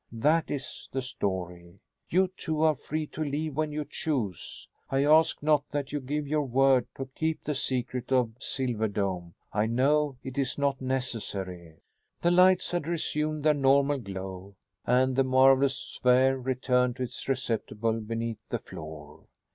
That is the story. You two are free to leave when you choose. I ask not that you give your word to keep the secret of 'Silver Dome.' I know it is not necessary." The lights had resumed their normal glow, and the marvelous sphere returned to its receptacle beneath the floor.